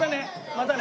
またね。